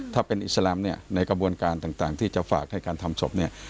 ถ้าเป็นอิสลามเนี่ยในกระบวนการต่างที่จะฝากให้การทำศพเนี่ย